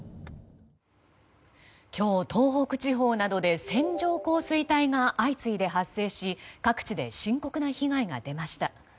今日、東北地方などで線状降水帯が相次いで発生し各地で深刻な被害が出ました。